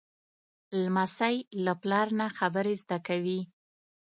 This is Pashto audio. لمسی له پلار نه خبرې زده کوي.